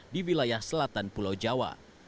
di wilayah selatan pulau jawa